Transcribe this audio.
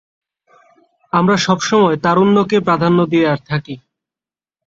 আমরা সব সময় তারুণ্যকে প্রাধান্য দিয়ে থাকি।